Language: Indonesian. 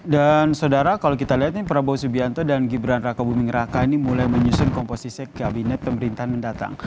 dan saudara kalau kita lihat nih prabowo subianto dan gibran raka buming raka ini mulai menyusun komposisi kabinet pemerintahan mendatang